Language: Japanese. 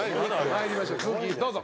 参りましょう続きどうぞ。